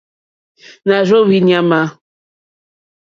Nà rzóhwì ɲàmà.